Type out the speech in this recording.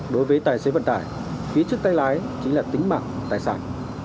đối với tài xế vận tải phía trước tay lái chính là tính mạng tài sản